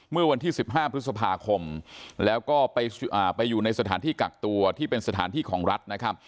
เมื่อวันที่๑๕พฤษภาคมแล้วก็ไปอยู่ในสถานที่กักตัวที่เป็นสถานที่ของรัฐนะครับ